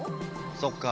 そっか。